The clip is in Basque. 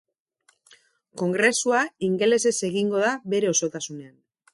Kongresua ingelesez egingo da bere osotasunean.